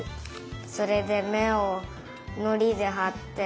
それでめをのりではって。